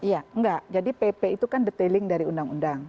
iya enggak jadi pp itu kan detailing dari undang undang